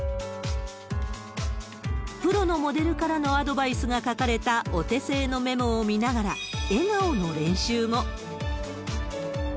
プロのモデルからのアドバイスが書かれたお手製のメモを見ながら、笑顔の練習も。